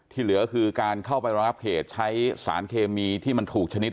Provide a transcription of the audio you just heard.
เหลือคือการเข้าไปรองับเหตุใช้สารเคมีที่มันถูกชนิด